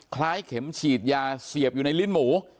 คล้ายเข็มฉีดยาเสียบอยู่ในลิ้นหมู